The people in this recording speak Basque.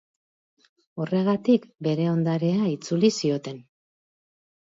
Horregatik, bere ondarea itzuli zioten.